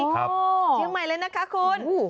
เชียงใหม่เลยนะคะคุณ